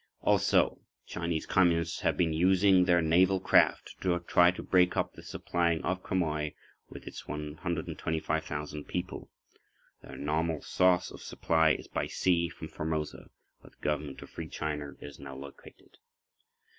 Also, Chinese Communists have been using their naval craft to try to break up the supplying of Quemoy with its 125,000 people. Their normal source of supply is by sea from Formosa, where the Government of Free China is now located.